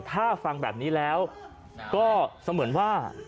ถ้าฟังแบบนี้แล้วก็เสมือนว่า